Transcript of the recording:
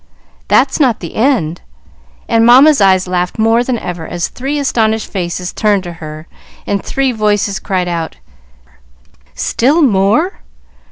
"That's not the end;" and Mamma's eyes laughed more than ever as three astonished faces turned to her, and three voices cried out, "Still more?"